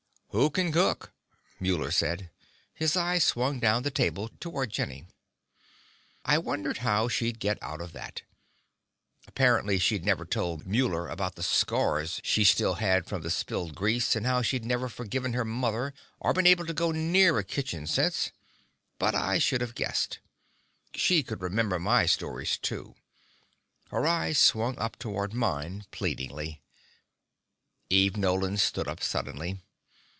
"Who can cook?" Muller asked. His eyes swung down the table toward Jenny. I wondered how she'd get out of that. Apparently she'd never told Muller about the scars she still had from spilled grease, and how she'd never forgiven her mother or been able to go near a kitchen since. But I should have guessed. She could remember my stories, too. Her eyes swung up toward mine pleadingly. Eve Nolan stood up suddenly.